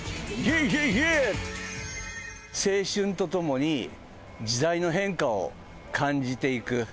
青春とともに時代の変化を感じていく。